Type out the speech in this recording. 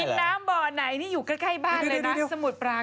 น้ำบ่อไหนนี่อยู่ใกล้บ้านเลยนะสมุทรปราการ